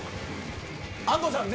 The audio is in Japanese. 安藤さん